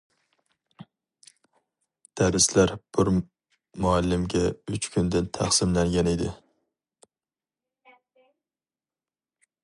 دەرسلەر بىر مۇئەللىمگە ئۈچ كۈندىن تەقسىملەنگەن ئىدى.